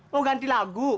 mau ganti lagu